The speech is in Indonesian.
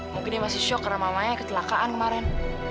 mungkin dia masih shock karena mamanya ketelakaan kemaren